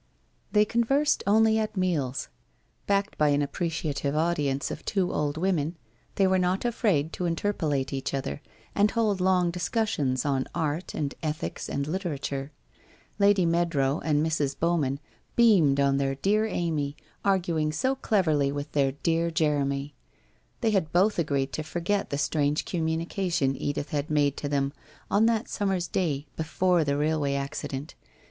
They conversed only at meals. Backed by an appre ciative audience of two old women, they were not afraid to interpolate each other, and hold long discussions on art, and ethics, and literature. Lady Meadrow and Mrs. Bowman beamed on their dear Amy, arguing so cleverly with their dear Jeremy. They had both agreed to forget the strange communication Edith had made to them on that summer's day before the railway accident.